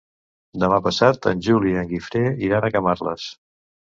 Demà passat en Juli i en Guifré iran a Camarles.